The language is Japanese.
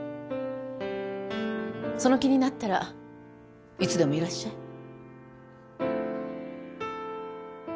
その気になったらいつでもいらっしゃい。